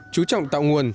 chú trọng tạo nguồn